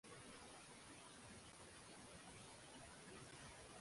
hata baadaye katika Scotland Tumia saa hizo